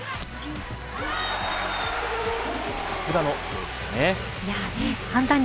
さすがの一撃でしたね。